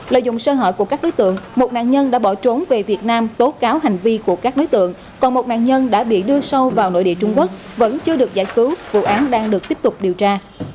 lợi dụng sơ hỏi của các đối tượng một nạn nhân đã bỏ trốn về việt nam tố cáo hành vi của các đối tượng còn một nạn nhân đã bị đưa sâu vào nội địa trung quốc vẫn chưa được giải cứu vụ án đang được tiếp tục điều tra